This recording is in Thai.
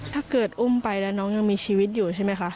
ถ้าเกิดอุ้มไปแล้วน้องยังมีชีวิตอยู่ใช่ไหมคะ